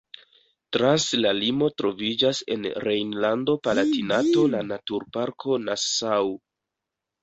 Trans la limo troviĝas en Rejnlando-Palatinato la Naturparko Nassau.